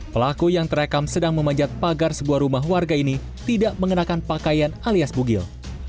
pelaku yang terekam sedang memanjat pagar sebuah rumah warga ini tidak mengenakan pakaian alias bugil